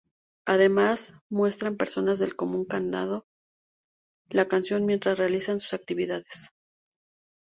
Además muestran personas del común cantando la canción mientras realizan sus actividades.